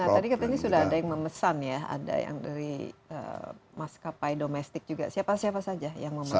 nah tadi katanya sudah ada yang memesan ya ada yang dari maskapai domestik juga siapa siapa saja yang memesan